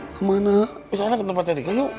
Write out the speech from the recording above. kemana misalnya ke tempatnya rika yuk